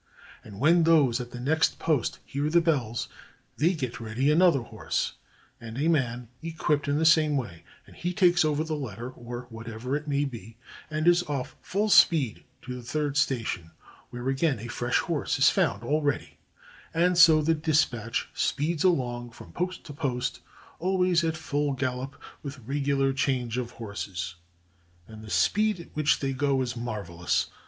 And when those at the next post hear the bells, "5 CHINA they get ready another horse and a man equipped in the same way, and he takes over the letter or whatever it be, and is off full speed to the third station, where again a fresh horse is found all ready ; and so the dispatch speeds along from post to post, always at full gallop with regu lar change of horses. And the speed at which they go is marvelous.